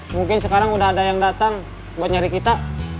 mungkin sekarang udah ada yang datang buat nyari kita